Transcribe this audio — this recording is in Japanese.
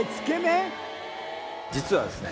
実はですね